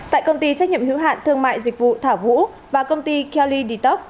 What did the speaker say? tại công ty trách nhiệm hữu hạn thương mại dịch vụ thảo vũ và công ty kelly detox